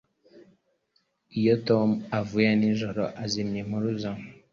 Iyo Tom avuye nijoro, azimya impuruza.